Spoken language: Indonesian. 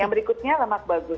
yang berikutnya lemak bagus